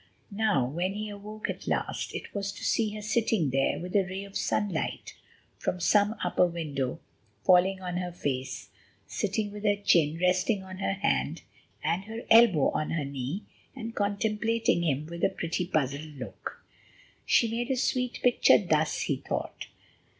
Now, when he awoke at last, it was to see her sitting there with a ray of sunlight from some upper window falling on her face, sitting with her chin resting on her hand and her elbow on her knee, and contemplating him with a pretty, puzzled look. She made a sweet picture thus, he thought.